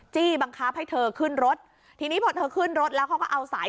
บังคับให้เธอขึ้นรถทีนี้พอเธอขึ้นรถแล้วเขาก็เอาสาย